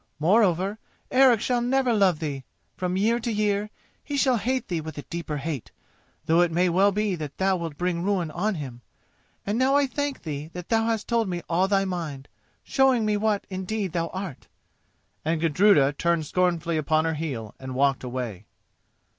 Moreover, Eric shall never love thee; from year to year he shall hate thee with a deeper hate, though it may well be that thou wilt bring ruin on him. And now I thank thee that thou hast told me all thy mind, showing me what indeed thou art!" And Gudruda turned scornfully upon her heel and walked away.